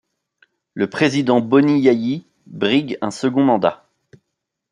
Le président Boni Yayi brigue un second mandat.